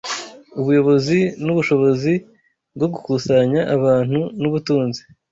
Ubuyobozi nubushobozi bwo gukusanya abantu nubutunzi